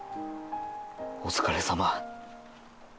お疲れさま。